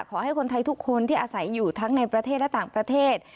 ขอให้คนไทยทุกคนที่อาศัยอยู่ทั้งในประเทศและต่างประเทศ